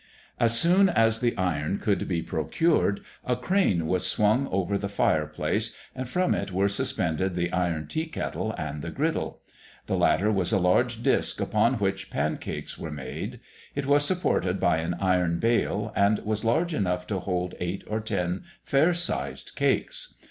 As soon as the iron could be procured, a crane was swung over the fire place, and from it were suspended the iron tea kettle and the griddle. The latter was a large disc upon which the pancakes were made. It was supported by an iron bale, and was large enough to hold eight or ten fair sized cakes.